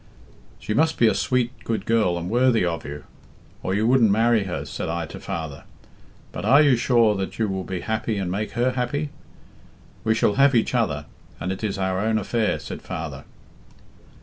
"'She must be a sweet, good girl, and worthy of you, or you wouldn't marry her,' said I to father; 'but are you sure that you will be happy and make her happy?' We shall have each other, and it is our own affair,' said father."